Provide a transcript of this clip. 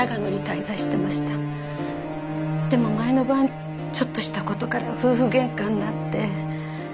でも前の晩ちょっとした事から夫婦喧嘩になって。